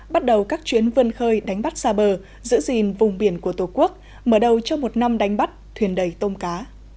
bắt đầu các chuyến vân khơi đánh bắt xa bờ giữ gìn vùng biển của tổ quốc mở đầu cho một năm đánh bắt thuyền đầy tôm cá